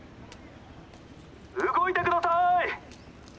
動いてくださーい！